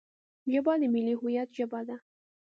ژبه د ملي هویت ژبه ده